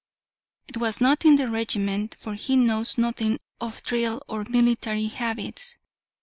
It was not in the regiment, for he knows nothing of drill or military habits.